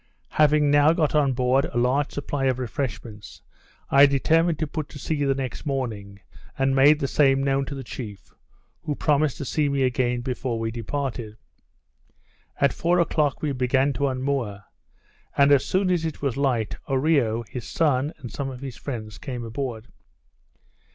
Having now got on board a large supply of refreshments, I determined to put to sea the next morning, and made the same known to the chief, who promised to see me again before we departed. At four o'clock we began to unmoor; and as soon as it was light, Oreo, his son, and some of his friends, came aboard.